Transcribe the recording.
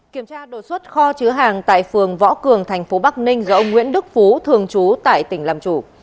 kiểm tra đột xuất kho chứa hàng tại phường võ cường thành phố bắc ninh do ông nguyễn đức phú thường trú tại tỉnh làm chủ